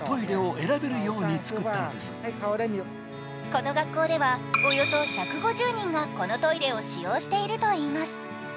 この学校では、およそ１５０人がこのトイレを使用しているといいます。